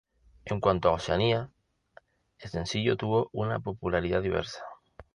En cuanto a Oceanía, el sencillo tuvo una popularidad diversa.